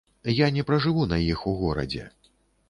Я не пражыву на іх у горадзе.